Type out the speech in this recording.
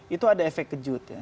itu ada efek kejut ya